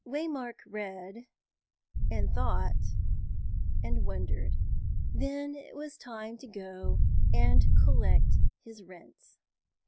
Waymark read, and thought, and wondered. Then it was time to go and collect his rents.